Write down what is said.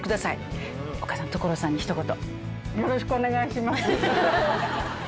おかあさん所さんにひと言。